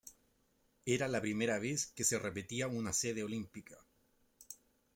Era la primera vez que se repetía una sede Olímpica.